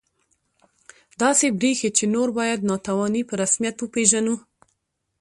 داسې بریښي چې نور باید ناتواني په رسمیت وپېژنو